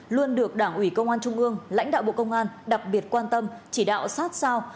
luôn được đảng ủy công an trung ương lãnh đạo bộ công an đặc biệt quan tâm chỉ đạo sát sao